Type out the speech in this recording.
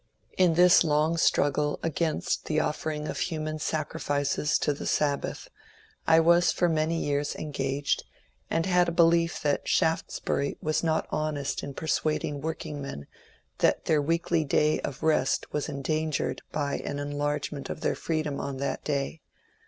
Li this long struggle against the offering of human sacrifices to the Sab bath I was for many years engaged, and had a belief that Shaftesbury was not honest in persuading workingmen that their weekly day of rest was endangered by an enlargement of their freedom on that day.